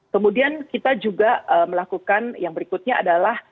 kemudian kita juga melakukan yang berikutnya adalah